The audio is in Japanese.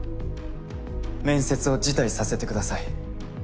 面接を辞退させてください。